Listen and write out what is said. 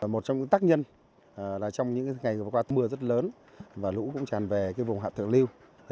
một trong những tác nhân là trong những ngày vừa qua mưa rất lớn mà lũ cũng tràn về cái vùng hạ thượng lưu